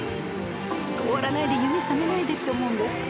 終わらないで夢覚めないでって思うんです。